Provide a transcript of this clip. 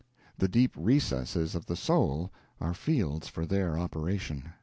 The deep recesses of the soul are fields for their operation.